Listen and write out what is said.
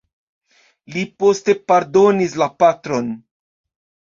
Li poste pardonis la patron.